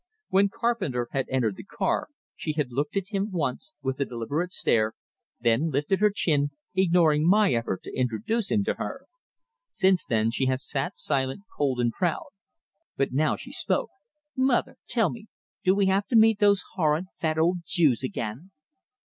When Carpenter had entered the car, she had looked at him once, with a deliberate stare, then lifted her chin, ignoring my effort to introduce him to her. Since then she had sat silent, cold, and proud. But now she spoke. "Mother, tell me, do we have to meet those horrid fat old Jews again?"